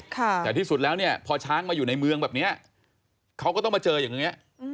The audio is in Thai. แต่ที่สุดแล้วเนี่ยพอช้างมาอยู่ในเมืองแบบเนี้ยเขาก็ต้องมาเจออย่างนี้